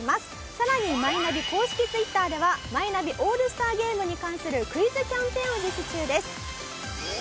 更にマイナビ公式ツイッターではマイナビオールスターゲームに関するクイズキャンペーンを実施中です。